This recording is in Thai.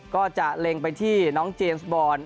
ก็จะเล็งไปที่น้องเจมส์บอล